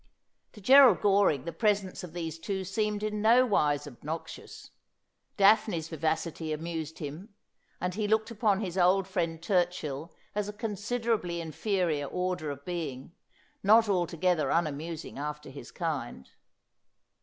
To Gerald Goring the presence of these two seemed in no wise obnoxious. Daphne's vivacity amused him, and he looked upon his old friend Turchill as a considerably inferior order of being, not altogether unamusing after his kind.